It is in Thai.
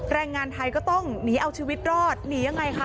แรงงานไทยก็ต้องหนีเอาชีวิตรอดหนียังไงคะ